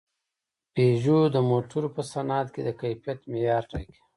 پيژو د موټرو په صنعت کې د کیفیت معیار ټاکي.